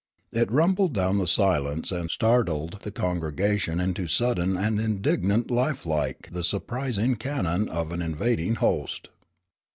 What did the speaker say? It rumbled down the silence and startled the congregation into sudden and indignant life like the surprising cannon of an invading host.